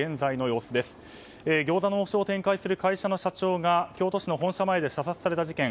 餃子の王将を展開する会社の社長が京都市の本社前で射殺された事件。